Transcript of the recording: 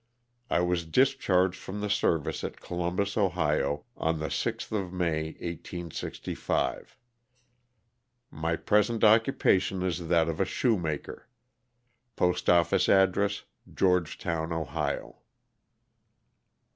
I was discharged from the service at Columbus, Ohio, on the 6th of May, 1865, My present occupation is thit of a shoemaker, PostotFice address, Georgetown, Ohio.